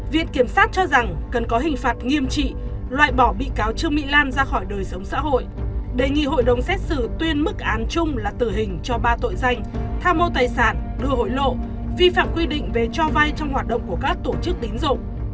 viện kiểm sát cho rằng cần có hình phạt nghiêm trị loại bỏ bị cáo trương mỹ lan ra khỏi đời sống xã hội đề nghị hội đồng xét xử tuyên mức án chung là tử hình cho ba tội danh tham mô tài sản đưa hối lộ vi phạm quy định về cho vay trong hoạt động của các tổ chức tín dụng